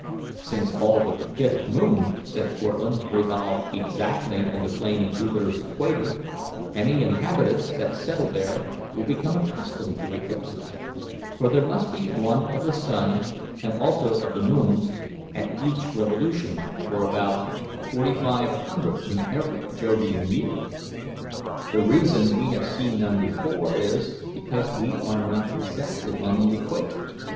"Since all but the fifth moon," said Cortlandt, "revolve exactly in the plane of Jupiter's equator, any inhabitants that settle there will become accustomed to eclipses, for there must be one of the sun, and also of the moons, at each revolution, or about forty five hundred in every Jovian year. The reason we have seen none before is, because we are not exactly on the equator."